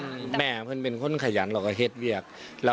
อจิตาาาแม่คุณเป็นคนขยันลอกเทศทั้งโรงพยาบาล